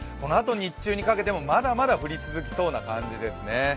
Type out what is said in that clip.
日中にかけてもまだまだ降り続きそうな感じですね。